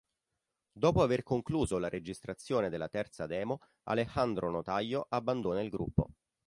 Dopo aver concluso la registrazione della terza demo, Alejandro Notaio abbandona il gruppo.